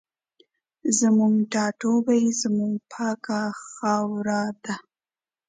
زموږ ټاټوبی زموږ پاکه خاوره ده